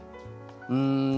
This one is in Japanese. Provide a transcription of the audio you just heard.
うん。